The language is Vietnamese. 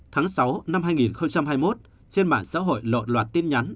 tháng sáu năm hai nghìn hai mươi một trên mạng xã hội lộn loạt tin nhắn